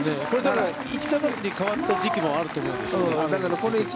１打罰に変わった時期もあると思うんです。